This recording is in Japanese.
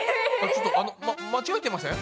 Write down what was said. ちょっとあの間違えてません？